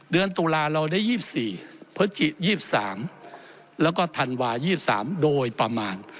เดือนตุลาเราได้๒๔พฤศจิ๒๓แล้วก็ธันวา๒๓โดยประมาณ